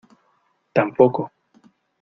tampoco.